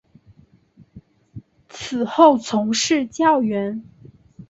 此后从事教员。